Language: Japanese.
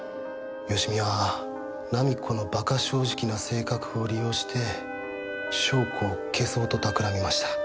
芳美は菜実子の馬鹿正直な性格を利用して翔子を消そうと企みました。